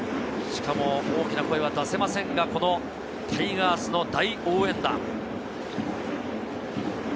しかも大きな声は出せませんが、このタイガースの大応援団。